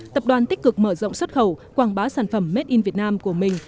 tập đoàn tích cực mở rộng xuất khẩu quảng bá sản phẩm made in vietnam của mình